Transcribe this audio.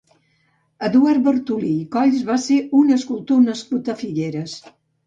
Eduard Bartolí i Colls va ser un escultor nascut a Figueres.